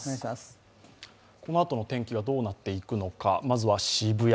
このあとの天気はどうなっていくのか、まずは渋谷。